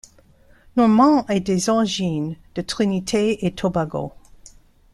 Normand a des origines de Trinité et Tobago.